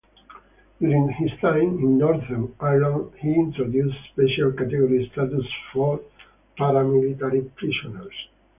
During his time, in Northern Ireland he introduced Special Category Status for paramilitary prisoners.